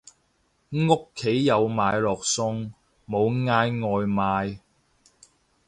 屋企有買落餸，冇嗌外賣